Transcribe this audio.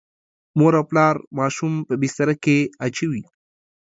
مور او پلار ماشوم په بستره کې اچوي.